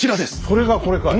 それがこれかい。